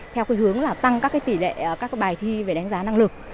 theo hướng tăng tỷ lệ các bài thi về đánh giá năng lực